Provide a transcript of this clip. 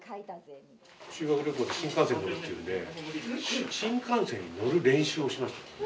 修学旅行で新幹線に乗るっていうんで新幹線に乗る練習をしましたね。